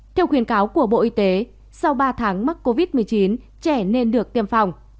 theo khuyến cáo của bộ y tế sau ba tháng mắc covid một mươi chín trẻ nên được tiêm phòng